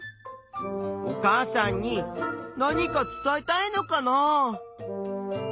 お母さんに何か伝えたいのかな。